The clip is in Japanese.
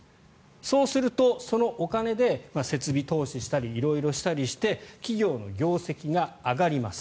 そうするとそのお金で設備投資したり色々したりして企業の業績が上がります。